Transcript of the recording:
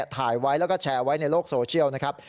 ถ่ายไว้แล้วก็แชร์ไว้ในโลกโซเชียลนะครับ